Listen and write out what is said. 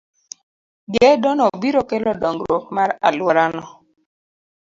Gedo no biro kelo dongruok mar alworano.